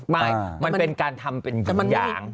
มันเป็นการทำเป็นอย่าง